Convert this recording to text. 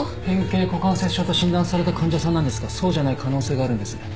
変形股関節症と診断された患者さんなんですがそうじゃない可能性があるんです。